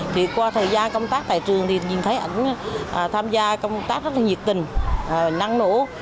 thì qua thời gian công tác tại trường thì nhìn thấy ảnh tham gia công tác rất là nhiệt tình năng nổ